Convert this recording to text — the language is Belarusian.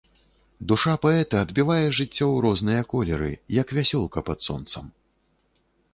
Душа паэта адбівае жыццё ў розныя колеры, як вясёлка пад сонцам.